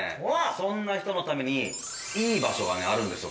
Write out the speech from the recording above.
そんな人のためにいい場所がねあるんですよ